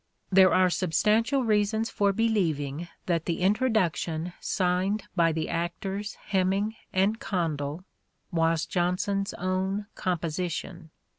There are substantial reasons for believing that the introduction signed by the actors Heming and Condell was Jonson's own composition.